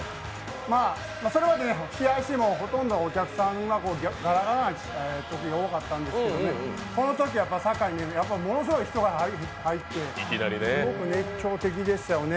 それまで試合しても、ほとんどお客さんはガラガラのときが多かったんですけどね、このときはサッカーにものすごい人が入って、すごく熱狂的でしたよね。